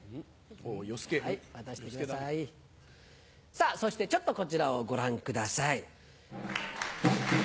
さぁそしてちょっとこちらをご覧ください。